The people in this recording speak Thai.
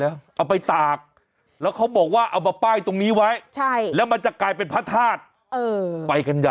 เอาไปตากแล้วเขาบอกว่าเอามาป้ายตรงนี้ไว้ใช่แล้วมันจะกลายเป็นพระธาตุไปกันใหญ่